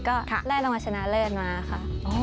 ก็ได้รางวัลชนะเลิศมาค่ะ